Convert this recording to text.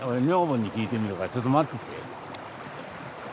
女房に聞いてみるからちょっと待っとって。